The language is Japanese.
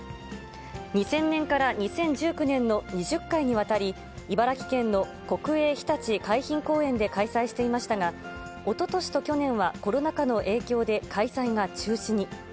２０００年から２０１９年の２０回にわたり、茨城県の国営ひたち海浜公園で開催していましたが、おととしと去年はコロナ禍の影響で開催が中止に。